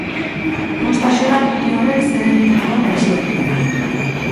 Bost axola niri horrek zer egiten duen aisialdian!